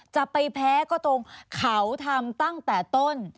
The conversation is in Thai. จะไปแพ้ก็ตรงเขาทำตั้งแต่ต้น